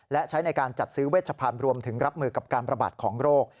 และใช้ในการจัดซื้อเวชพันธุ์รวมถึงรับมือกับการประบาดของโรค